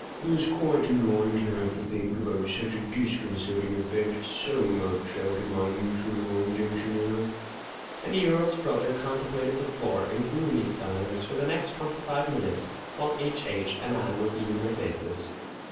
"It's quite annoying to have to think about such a disconcerting event, so much out of my usual line, doncherknow." And the Earl's brother contemplated the floor in gloomy silence for the next twenty five minutes, while H. H. and I were feeding our faces.